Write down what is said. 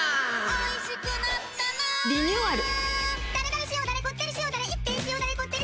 おいしくなったなリニューアル。